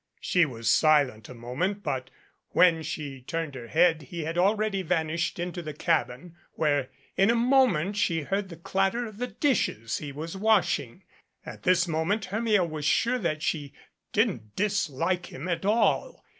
She was silent a moment, but when she turned her head, he had already vanished into the cabin, where in a moment she heard the clatter of the dishes he was washing. At this moment Hermia was sure that she didn't dislike him at all.